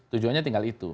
tujuannya tinggal itu